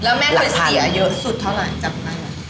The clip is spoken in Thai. แล้วแม่คุยเสียเยอะสุดเท่าไหร่จากนั้น